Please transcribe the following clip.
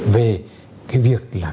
về cái việc là